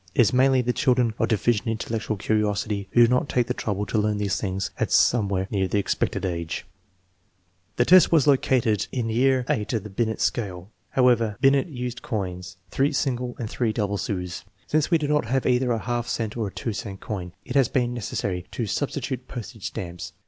It is mainly the children of deficient intellectual curiosity who do not take the trouble to learn these things at some where near the expected age, The test was located in year VIII of the Binet scale. However, Binet used coins, three single and three double sous. Since we do not have either a half cent or a 2 cent coin, it has been necessary to substitute postage stamps.